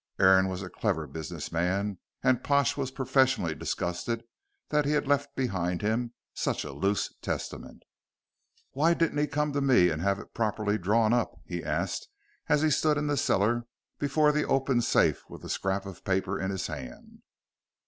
Aaron was a clever business man, and Pash was professionally disgusted that he had left behind him such a loose testament. "Why didn't he come to me and have it properly drawn up?" he asked as he stood in the cellar before the open safe with the scrap of paper in his hand.